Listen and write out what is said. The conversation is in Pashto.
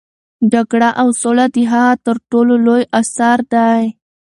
جګړه او سوله د هغه تر ټولو لوی اثر دی.